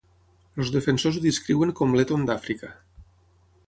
Els defensors ho descriuen com l'Eton d'Àfrica.